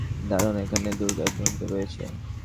ধরুন এখানে একটি দুর্গন্ধ রহিয়াছে।